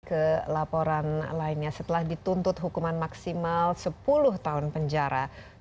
ke laporan lainnya setelah dituntut hukuman maksimal sepuluh tahun penjara